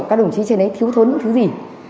các đồng chí trên đấy thiếu thốn những thứ gì